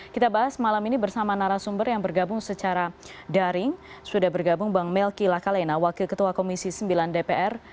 kita bahas malam ini bersama narasumber yang bergabung secara daring sudah bergabung bang melki lakalena wakil ketua komisi sembilan dpr